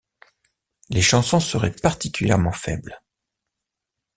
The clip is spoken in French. Les chansons seraient particulièrement faibles.